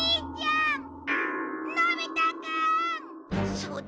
そうだよ